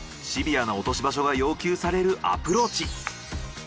シビアな落とし場所が要求されるアプローチ。